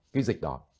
cái dịch đó